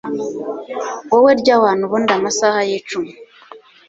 wowe rya wana ubundi amasaha yicume